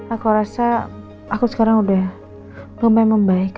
aku rasa aku sekarang udah lumayan membaik